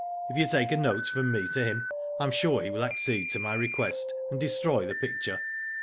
If you take a note from me to him I am sure he will accede to my request, and destroy the picture."